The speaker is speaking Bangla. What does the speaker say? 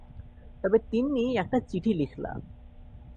তবে তিন্নি একটি চিঠি লিখলা।